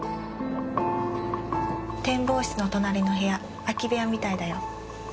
展望室の隣の部屋空き部屋みたいだよ。